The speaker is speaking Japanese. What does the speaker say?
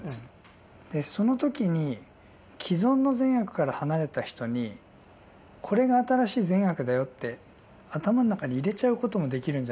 その時に既存の善悪から離れた人にこれが新しい善悪だよって頭の中に入れちゃうこともできるんじゃないかと思うんです。